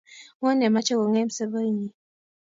ngo nemache kong'em sobee nyi